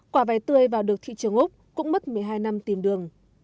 quả vải tươi vào được thị trường úc cũng mất một mươi hai năm tìm đường